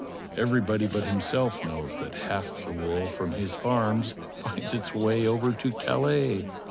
Everybody but himself knows that half the wool from his farms finds its way over to Calais."